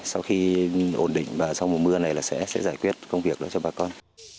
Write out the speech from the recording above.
sau khi ổn định và sau mùa mưa này là sẽ giải quyết công việc đó cho bà con